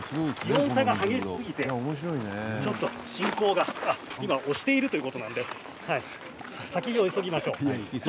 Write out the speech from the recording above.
気温差が激しすぎて進行が押しているということなので先を急ぎましょう。